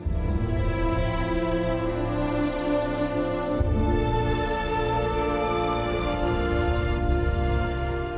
หลวงโป่งติดประดับไฟไหว้บนผนังแทบ